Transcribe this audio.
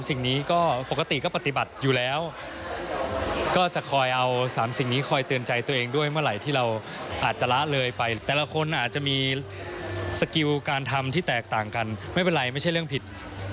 สกิลการทำที่แตกต่างกันไม่เป็นไรไม่ใช่เรื่องผิด